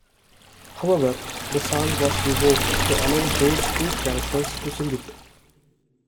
However, the song was reworked to allow those two characters to sing it.